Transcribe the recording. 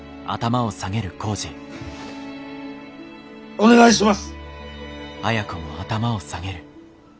お願いします。